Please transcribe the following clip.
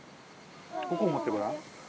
ここを持ってごらん。